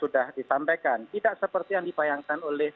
disampaikan tidak seperti yang dipayangkan oleh